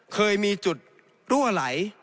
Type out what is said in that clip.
เคยมีจุดรั่วไหล